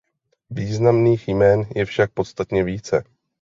Významných jmen je však podstatně více.